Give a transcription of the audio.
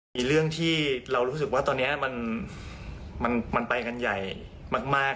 มีเรื่องที่เรารู้สึกว่าตอนนี้มันไปกันใหญ่มาก